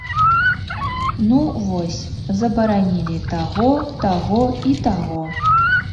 Ну, вось, забаранілі таго, таго і таго.